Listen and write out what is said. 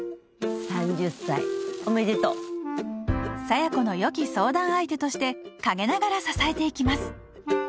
３０歳おめでとう佐弥子のよき相談相手として陰ながら支えていきます